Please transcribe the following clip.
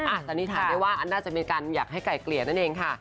อันนี้ถามได้ว่าน่าจะเป็นการอยากให้ไก่เกลียดนั่นเองค่ะ